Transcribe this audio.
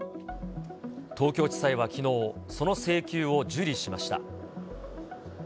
東京地裁はきのう、その請求を受理しました。